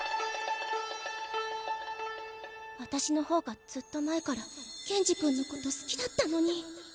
私の方がずっと前から謙二くんのこと好きだったのに。